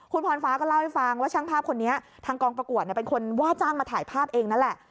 คุณพรฟ้าก็เล่าให้ฟังว่าช่างภาพคนนี้ทางกองประกวดเป็นคนว่าจ้างมาถ่ายภาพเองนั่นแหละ